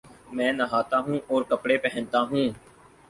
میں نہاتاہوں اور کپڑے پہنتا ہوں